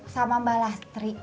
sama mbak lastri